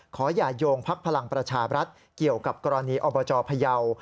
ขออย่าโยงพักพลังประชาบรัฐเกี่ยวกับกรณีอบจพยาว